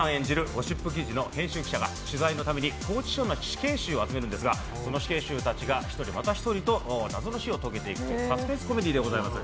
ゴシップ記事の編集記者が取材のために、拘置所の死刑囚を集めるのですがその死刑囚たちが１人、また１人と謎の死を遂げていくというサスペンスコメディーでございます。